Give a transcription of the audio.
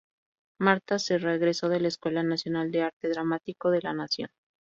Martha Serra egresó de la Escuela Nacional de Arte Dramático de la Nación.